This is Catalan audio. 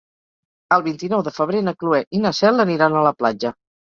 El vint-i-nou de febrer na Cloè i na Cel aniran a la platja.